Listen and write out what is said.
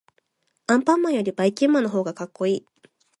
アンパンマンよりばいきんまんのほうがかっこいい。